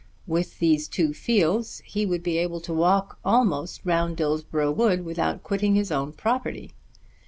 With these two fields he would be able to walk almost round Dillsborough Wood without quitting his own property.